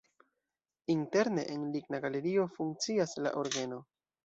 Interne en ligna galerio funkcias la orgeno.